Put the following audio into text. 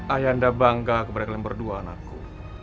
ayah anda bangga kepada kalian berdua anakku